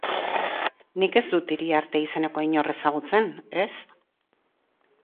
Nik ez dut Iriarte izeneko inor ezagutzen, ez.